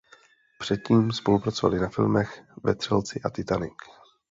Předtím spolupracovali na filmech Vetřelci a Titanic.